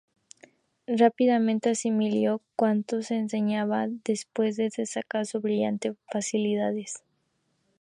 Rápidamente asimiló cuanto se le enseñaba pues se destacó por su brillantez y facilidades.